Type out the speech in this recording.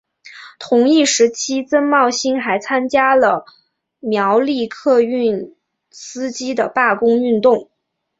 同一时期曾茂兴还参加了苗栗客运司机的罢工运动。